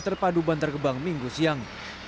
terpadu ban tergebang minggu siang